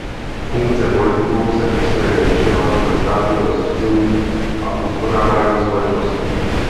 Funkce politiků se v historii lišila podle státního zřízení a uspořádání společnosti.